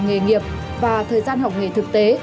nghề nghiệp và thời gian học nghề thực tế